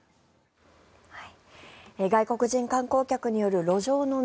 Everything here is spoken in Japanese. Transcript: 外国人観光客による路上飲み。